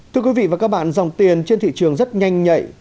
thưa quý vị và các bạn dòng tiền trên thị trường rất nhanh nhạy